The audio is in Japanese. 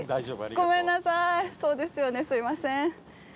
ごめんなさいそうですよねすいません。